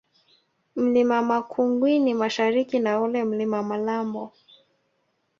Mlima Makungwini Mashariki na ule Mlima Malambo